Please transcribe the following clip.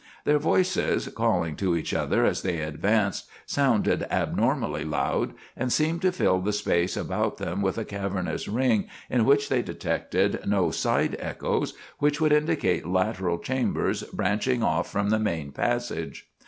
Their voices, calling to each other as they advanced, sounded abnormally loud, and seemed to fill the space about them with a cavernous ring in which they detected no side echoes which would indicate lateral chambers branching off from the main passage.